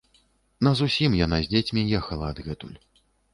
Назусім яна з дзецьмі ехала адгэтуль.